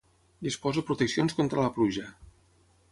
Disposo proteccions contra la pluja.